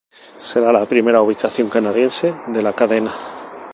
Será la primera ubicación canadiense de la cadena.